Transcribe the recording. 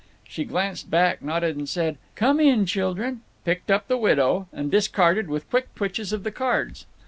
She glanced back, nodded, said, "Come in, children," picked up the "widow," and discarded with quick twitches of the cards.